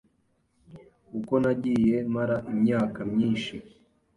Uko nagiye mara imyaka myinshi,